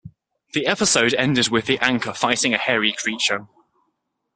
The episode ended with the anchor fighting a hairy creature.